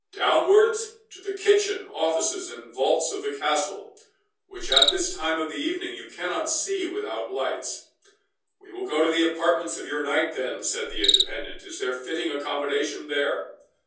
Downwards, to the kitchen, offices, and vaults of the castle, which, at this time of the evening, you cannot see without lights." "We will to the apartments of your knight, then," said the Independent. "Is there fitting accommodation there?"